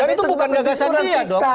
dan itu bukan gagasan dia dong